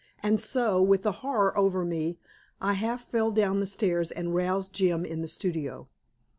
And so, with the horror over me, I half fell down the stairs and roused Jim in the studio.